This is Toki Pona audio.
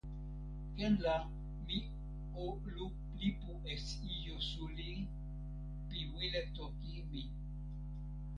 ken la mi o lipu e ijo suli pi wile toki mi.